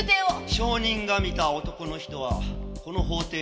証人が見た男の人はこの法廷にいますか？